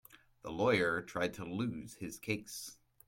The lawyer tried to lose his case.